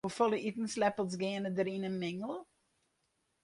Hoefolle itensleppels geane der yn in mingel?